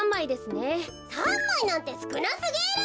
３まいなんてすくなすぎる。